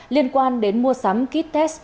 liên quan đến mua sắm kit test